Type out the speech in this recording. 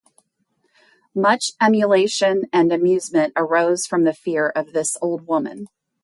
Much emulation and amusement arose from the fear of this old woman.